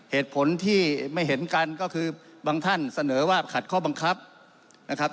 เหตุผลที่ไม่เห็นกันก็คือบางท่านเสนอว่าขัดข้อบังคับนะครับ